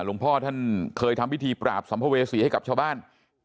หลวงพ่อท่านเคยทำพิธีปราบสัมภเวษีให้กับชาวบ้าน